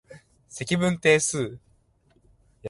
積分定数